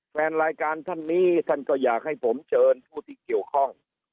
แฟนรายการท่านนี้ท่านก็อยากให้ผมเชิญผู้ที่เกี่ยวข้อง